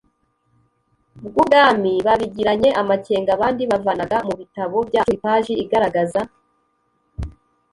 bw Ubwami babigiranye amakenga Abandi bavanaga mu bitabo byacu ipaji igaragaza